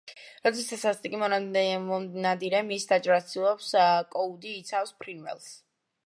როდესაც სასტიკი მონადირე მის დაჭერას ცდილობს, კოუდი იცავს ფრინველს.